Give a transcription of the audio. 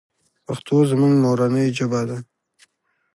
پښتو زموږ مورنۍ ژبه ده .